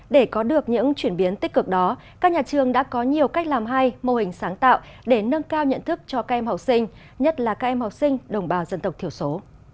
để có được những chuyển biến tích cực đó các nhà trường đã có nhiều cách làm hay mô hình sáng tạo để nâng cao nhận thức cho các em học sinh nhất là các em học sinh đồng bào dân tộc thiểu số